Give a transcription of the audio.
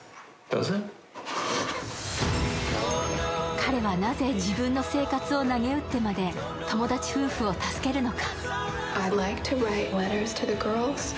彼はなぜ自分の生活をなげうってまで友達夫婦を助けるのか。